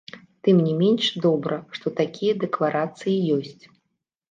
Тым не менш, добра, што такія дэкларацыі ёсць.